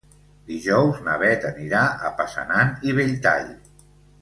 Dijous na Beth anirà a Passanant i Belltall.